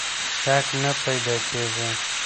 شک نه پیدا کېږي.